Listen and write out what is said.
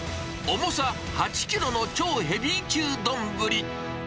重さ８キロの超ヘビー級丼。